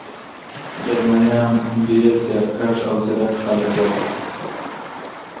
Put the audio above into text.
جرمنان ډېر زیارکښ او ځیرک خلک وو